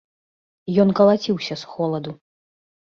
Ён калаціўся з холаду.